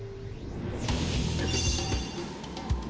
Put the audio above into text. よし！